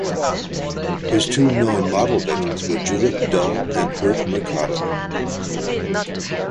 His two known model victims were Judith Dull and Ruth Mercado.